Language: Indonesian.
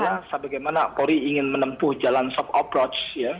yang pentingnya adalah bagaimana polri ingin menempuh jalan soft approach ya